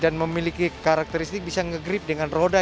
dan memiliki karakteristik bisa ngegrip dengan roda